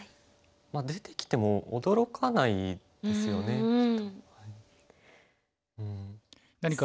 出てきても驚かないですよねきっと。